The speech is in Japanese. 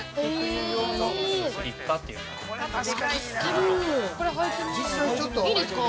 ◆いいですか。